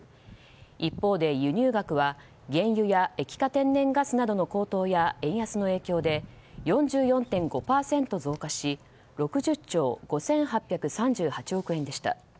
一方で輸入額は原油や液化天然ガスなどの高騰や円安の影響で４４．５％増加し６０兆５８３８億円でした。